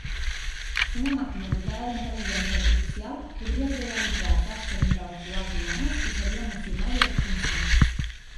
Una màquina dotada d'intel·ligència artificial podria realitzar tasques intel·lectuals humanes i seria emocional i autoconscient.